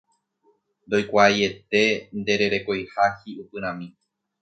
Ndoikuaaiete ndererekoiha hi'upyrãmi.